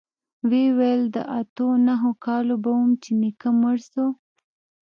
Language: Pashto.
ومې ويل د اتو نهو کالو به وم چې نيکه مړ سو.